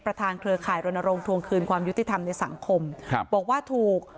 เครือข่ายรณรงค์ทวงคืนความยุติธรรมในสังคมครับบอกว่าถูก